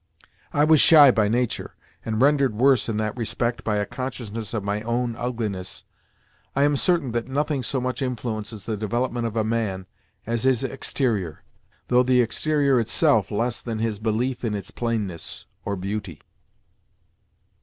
I was shy by nature, and rendered worse in that respect by a consciousness of my own ugliness. I am certain that nothing so much influences the development of a man as his exterior—though the exterior itself less than his belief in its plainness or beauty.